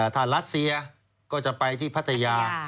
ถ้ารัสเซียก็จะไปที่พัทยา